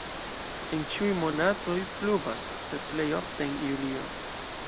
En ĉiuj monatoj pluvas, sed plej ofte en julio.